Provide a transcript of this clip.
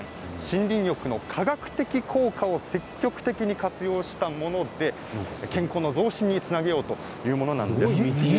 森林浴の科学的効果を積極的に活用したもので健康の増進につなげようというものなんです。